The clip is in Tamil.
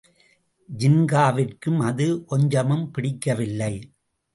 ஜின்காவிற்கும் அது கொஞ்சமும் பிடிக்கவில்லை.